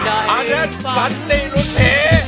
อันนั้นฝันตินุษย์